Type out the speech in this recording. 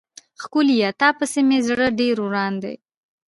ښکليه تا پسې مې زړه ډير وران دی.